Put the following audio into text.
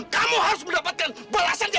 kamu harus mendapatkan balasan yang setimpal